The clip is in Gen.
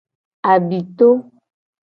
Abito.